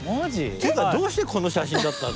っていうかどうしてこの写真だったの？